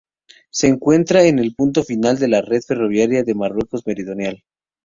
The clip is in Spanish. Se encuentra en el punto final de la red ferroviaria de Marruecos meridional.